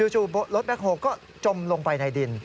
รถแบ็คโฮก็จมลงไปในดิน